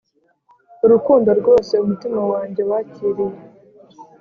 urukundo rwose umutima wanjye wakiriye.